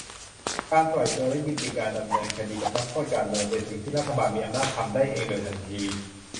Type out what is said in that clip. การปล่อยตัวและยุติการดำเนินคดีกับนักโทษการเมือง เป็นสิ่งที่รัฐบาลมีอำนาจทำได้เองโดยทันที